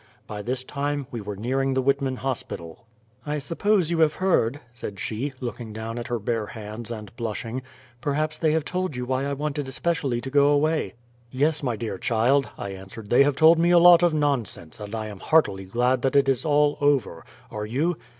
By this time we were nearing the Whitman hospital. "I suppose you have heard," said she, looking down at her bare hands and blushing; "perhaps they have told you why I wanted especially to go away." "Yes, my dear child," I answered, "they have told me a lot of nonsense, and I am heartily glad that it is all over. Are you?"